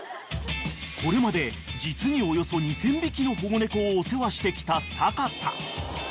［これまで実におよそ２，０００匹の保護猫をお世話してきた阪田］